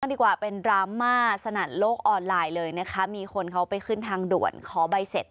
ดีกว่าเป็นดราม่าสนั่นโลกออนไลน์เลยนะคะมีคนเขาไปขึ้นทางด่วนขอใบเสร็จ